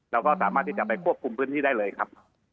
เราก็สามารถที่จะไปควบคุมพื้นที่ได้เลยครับ